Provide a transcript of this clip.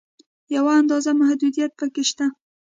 یوه اندازه محدودیت په کې شته.